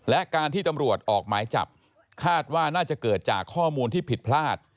และการที่ตำรวจออกหมายจับคาดว่าน่าจะเกิดจากข้อมูลที่ผิดพลาด